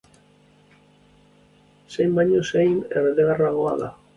Zein baino zein ederragoa da.